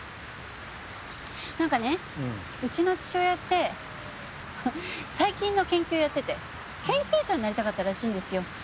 なんかねうちの父親って細菌の研究やってて研究者になりたかったらしいんですよ。